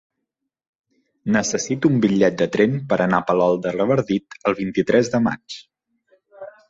Necessito un bitllet de tren per anar a Palol de Revardit el vint-i-tres de maig.